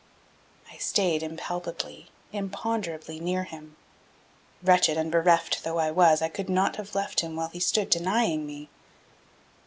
I stayed impalpably, imponderably near him. Wretched and bereft though I was, I could not have left him while he stood denying me.